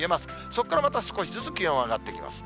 そこからまた少しずつ気温上がっていきます。